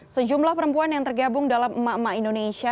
sejumlah perempuan yang tergabung dalam ema ema indonesia